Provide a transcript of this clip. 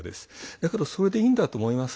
だけどそれでいいんだと思います。